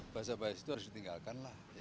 buzzer bias itu harus ditinggalkan lah